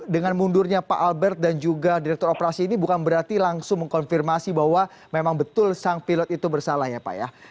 dengan mundurnya pak albert dan juga direktur operasi ini bukan berarti langsung mengkonfirmasi bahwa memang betul sang pilot itu bersalah ya pak ya